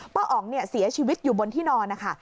อ๋องเสียชีวิตอยู่บนที่นอนนะคะ